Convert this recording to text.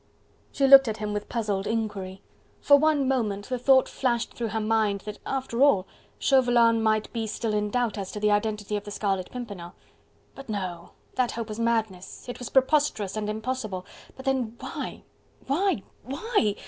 She looked at him with puzzled inquiry. For one moment the thought flashed through her mind that, after all, Chauvelin might be still in doubt as to the identity of the Scarlet Pimpernel.... But no! that hope was madness.... It was preposterous and impossible.... But then, why? why? why?...